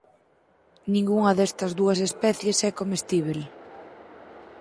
Ningunha destas dúas especies é comestíbel.